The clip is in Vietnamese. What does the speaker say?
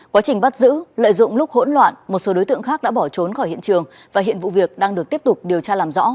quá trình bắt giữ lợi dụng lúc hỗn loạn một số đối tượng khác đã bỏ trốn khỏi hiện trường và hiện vụ việc đang được tiếp tục điều tra làm rõ